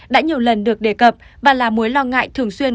đã nhiều lần được đề cập và là mối lo ngại thường xuyên